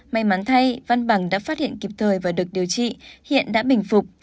may mắn thay văn bằng đã phát hiện kịp thời và được điều trị hiện đã bình phục